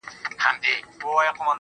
زړه مي چوي څه ماتم دی